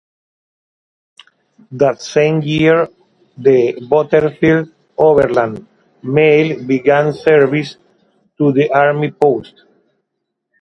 That same year the Butterfield Overland Mail began service to the army post.